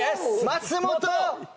松本！